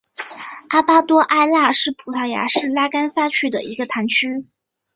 阿门多埃拉是葡萄牙布拉干萨区的一个堂区。